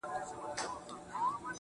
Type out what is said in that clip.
• سوخ خوان سترگو كي بيده ښكاري.